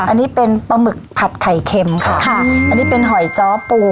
อันนี้เป็นปลาหมึกผัดไข่เค็มค่ะค่ะอันนี้เป็นหอยจ้อปู